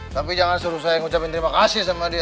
tapi jangan suruh saya ngucapin terima kasih sama dia